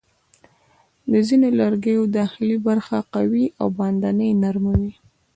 د ځینو لرګیو داخلي برخه قوي او باندنۍ نرمه وي.